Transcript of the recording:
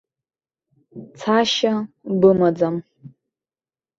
Цашьа бымаӡам!